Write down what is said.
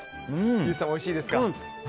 ユージさんもおいしいですか？